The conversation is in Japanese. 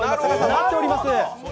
待っております。